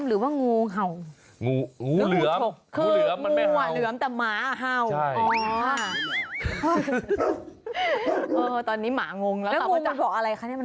แล้วงูมันบอกอะไรคะมันพูดอะไรหรือคะ